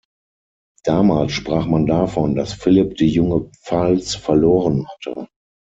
Damals sprach man davon, dass Philipp die junge Pfalz verloren hatte.